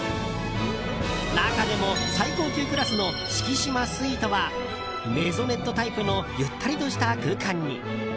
中でも最高級クラスの四季島スイートはメゾネットタイプのゆったりとした空間に。